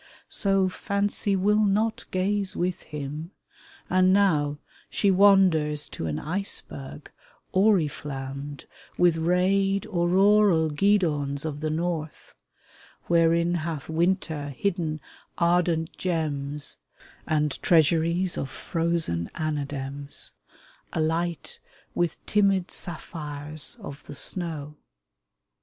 So Fancy will not gaze with him, and now She wanders to an iceberg oriflammed With rayed, auroral guidons of the North — Wherein hath winter hidden ardent gems And treasuries of frozen anadems, Alight with timid sapphires of the snow.